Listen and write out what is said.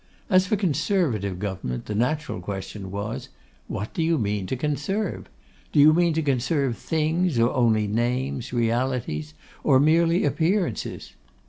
As for Conservative government, the natural question was, What do you mean to conserve? Do you mean to conserve things or only names, realities or merely appearances?